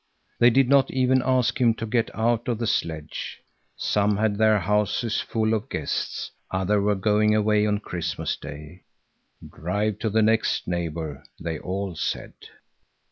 They did not even ask him to get out of the sledge. Some had their houses full of guests, others were going away on Christmas Day. "Drive to the next neighbor," they all said.